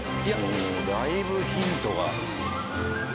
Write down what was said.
もうだいぶヒントが。